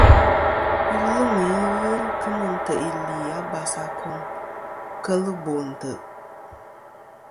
Iluŋ i ghɨ kemɨ ntè' ili a basakom kel bo ntè'.